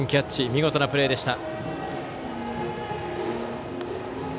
見事なプレーでした。